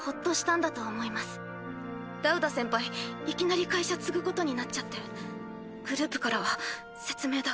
いきなり会社継ぐことになっちゃってグループからは「説明だ。